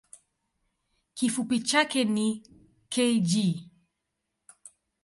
Kifupi chake ni kg.